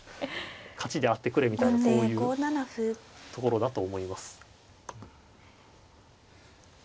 勝ちであってくれみたいなそういうところだと思います。